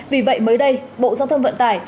vì vậy mới đây bộ giao thông vận tải